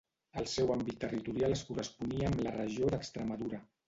El seu àmbit territorial es corresponia amb la regió d'Extremadura.